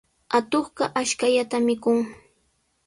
Atuqqa ashkallata mikun.